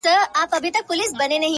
زما د زړه کوتره _